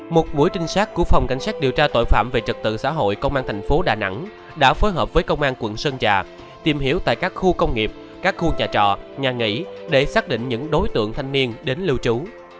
một buổi trinh sát của phòng cảnh sát điều tra tội phạm về trật tự xã hội công an thành phố đà nẵng đã phối hợp với công an quận sơn trà tìm hiểu tại các khu công nghiệp các khu nhà trọ nhà nghỉ để xác định những đối tượng thanh niên đến lưu trú